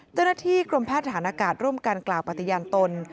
เจ้าหน้าที่กรมแพทย์ฐานอากาศร่วมกันกล่าวปฏิญาณตน